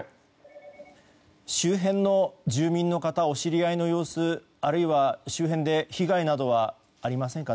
周辺の住民の方お知り合いの様子あるいは周辺で被害などはありませんか。